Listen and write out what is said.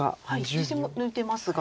実戦も抜いてますが。